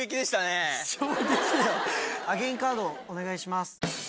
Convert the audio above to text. アゲインカードお願いします。